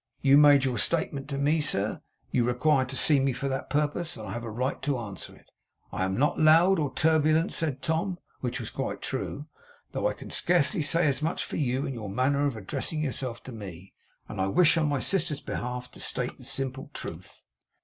You made your statement to me, sir; you required to see me for that purpose; and I have a right to answer it. I am not loud or turbulent,' said Tom, which was quite true, 'though I can scarcely say as much for you, in your manner of addressing yourself to me. And I wish, on my sister's behalf, to state the simple truth.